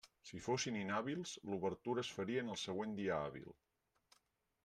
Si fossin inhàbils, l'obertura es faria en el següent dia hàbil.